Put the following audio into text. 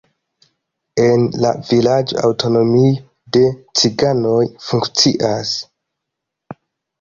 En la vilaĝo aŭtonomio de ciganoj funkcias.